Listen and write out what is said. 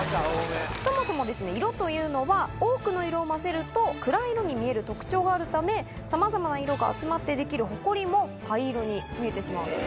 そもそも色というのは多くの色を混ぜると暗い色に見える特徴があるためさまざまな色が集まって出来るほこりも灰色に見えてしまうんです。